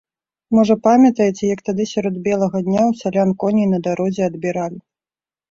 Можа, памятаеце, як тады сярод белага дня ў сялян коней на дарозе адбіралі.